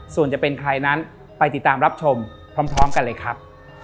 ส่วนจะเป็นใครนั้นไปติดตามรับชมพร้อมกันเลยครับ